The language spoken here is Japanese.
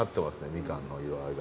みかんの色合いが。